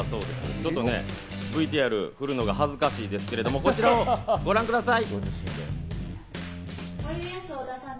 ちょっとＶＴＲをふるのが恥ずかしいですけれども、こちらをご覧ください。